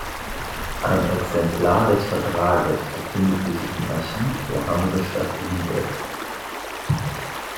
Ein Exemplar des Vertrages befindet sich im Archiv der Hansestadt Lübeck.